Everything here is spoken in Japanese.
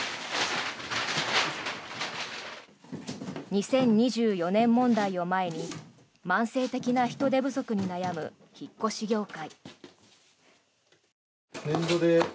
２０２４年問題を前に慢性的な人手不足に悩む引っ越し業界。